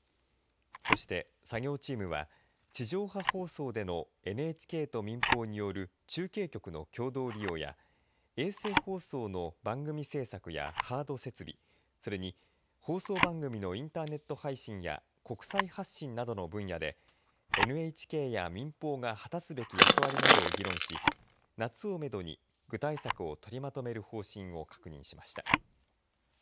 そして、作業チームは地上波放送でのＮＨＫと民放による中継局の共同利用や衛星放送の番組制作やハード設備それに、放送番組のインターネット配信や国際発信などの分野でＮＨＫや民放が果たすべき役割などを議論し夏をめどに具体策を取りまとめる方針を確認しました。